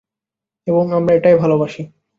এবং আমরা এটাই ভালোবাসি।